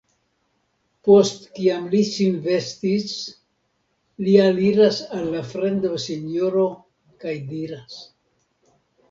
Post kiam li sin vestis, li aliras al la fremda sinjoro kaj diras.